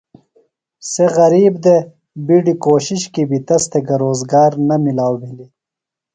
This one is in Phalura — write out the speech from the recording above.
.سےۡ غریب دےۡ۔ِبیڈیۡ کوشش کی بیۡ تس تھےۡ گہ روزگار نہ مِلاؤ بھلیۡ۔